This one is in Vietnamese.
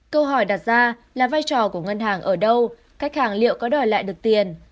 câu hỏi đặt ra là vai trò của ngân hàng ở đâu khách hàng liệu có đòi lại được tiền